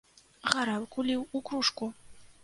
Гарэлку ліў у кружку!